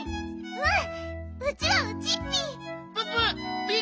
うん。